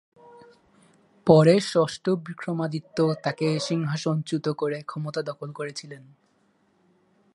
পরে ষষ্ঠ বিক্রমাদিত্য তাঁকে সিংহাসনচ্যুত করে ক্ষমতা দখল করেছিলেন।